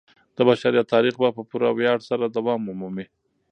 د بشریت تاریخ به په پوره ویاړ سره دوام ومومي.